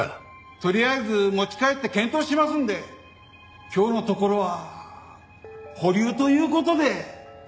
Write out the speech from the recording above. とりあえず持ち帰って検討しますんで今日のところは保留という事で。